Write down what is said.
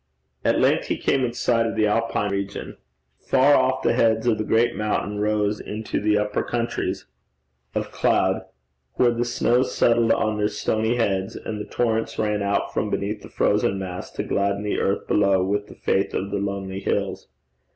At length he came in sight of the Alpine regions. Far off, the heads of the great mountains rose into the upper countries of cloud, where the snows settled on their stony heads, and the torrents ran out from beneath the frozen mass to gladden the earth below with the faith of the lonely hills.